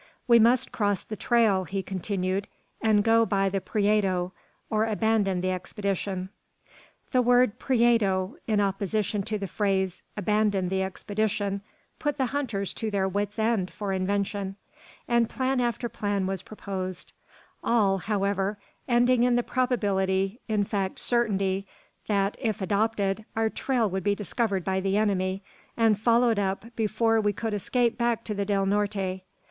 "We must cross the trail," he continued, "and go by the Prieto, or abandon the expedition." The word "Prieto," in opposition to the phrase "abandon the expedition," put the hunters to their wits' end for invention, and plan after plan was proposed; all, however, ending in the probability in fact, certainty that if adopted, our trail would be discovered by the enemy, and followed up before we could escape back to the Del Norte.